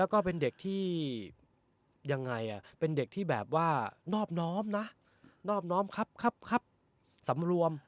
แล้วก็เป็นเด็กที่ยังไงเป็นเด็กที่แบบว่านอบน้อมนะนอบน้อมครับครับสำรวม